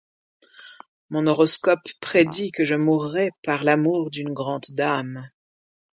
Mon horoscope prédict que ie mourray par l’amour d’une grant dame.